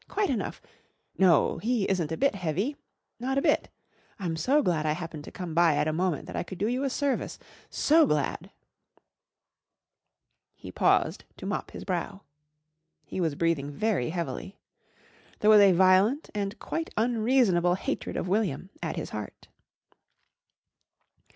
Quite enough. No, he isn't a bit heavy. Not a bit. I'm so glad I happened to come by at a moment that I could do you a service. So glad!" He paused to mop his brow. He was breathing very heavily. There was a violent and quite unreasonable hatred of William at his heart.